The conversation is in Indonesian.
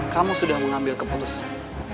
kamu sudah mengambil keputusan